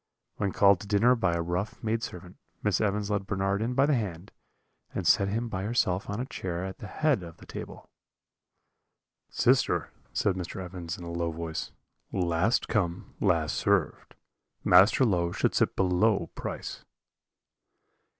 "When called to dinner by a rough maidservant, Miss Evans led Bernard in by the hand, and set him by herself on a chair at the head of the table. "'Sister,' said Mr. Evans, in a low voice, 'last come, last served Master Low should sit below Price.'